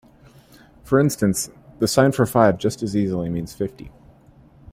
For instance, the sign for five just as easily means fifty.